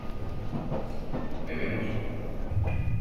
¿bebemos?